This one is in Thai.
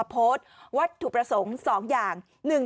พวยได้เยอะเลย